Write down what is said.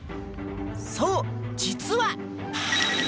そう実は。